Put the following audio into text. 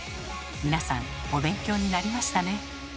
皆さんお勉強になりましたね。